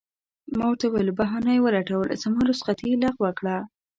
ما ورته وویل: بهانه یې ولټول، زما رخصتي یې لغوه کړه.